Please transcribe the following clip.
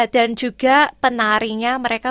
dan juga penarinya mereka